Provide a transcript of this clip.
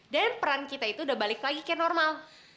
dan peran kita itu udah balik lagi kaya normal